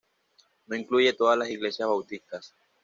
No incluye todas las iglesias bautistas.